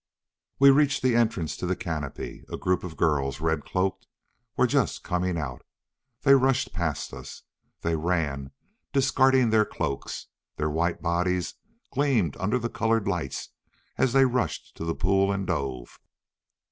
We reached the entrance to the canopy. A group of girls, red cloaked, were just coming out. They rushed past us. They ran, discarding their cloaks. Their white bodies gleamed under the colored lights as they rushed to the pool and dove.